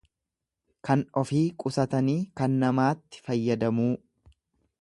Kan ofii qusatanii kan namaatti fayyadamuu.